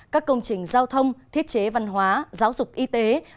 các công trình giao thông thiết chế văn hóa giáo dục y tế